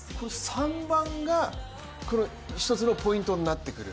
３番が一つのポイントになってくる？